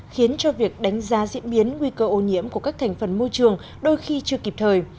khiến cho việc đánh giá diễn biến nguy cơ ô nhiễm của các thành phần môi trường đôi khi chưa kịp thời